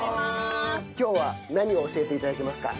今日は何を教えて頂けますか？